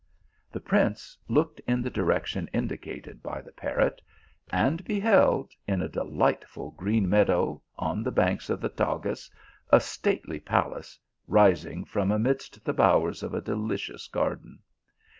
The prince looked in the direction indicated by the parrot, and beheld, in a delightful green meadow on the banks of the Tagus, a stately palace rising from amidst the bowers of a delicious garden.